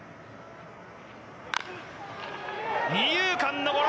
二遊間のゴロ。